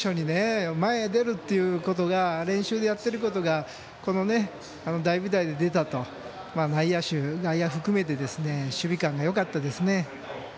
随所に前に出るってことが練習でやっていることが大舞台で出たと、内野手、外野含めて守備勘がよかったですね。